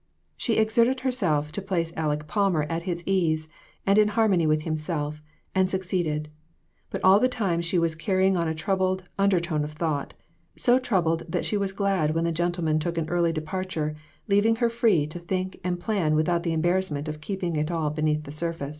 She exerted herself to place Aleck Palmer at his ease and in harmony with himself, and suc ceeded ; but all the time she was carrying on a troubled undertone of thought ; so troubled that she was glad when the gentleman took an early departure, leaving her free to think and plan with out the embarrassment of keeping it all beneath the surface.